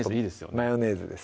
マヨネーズです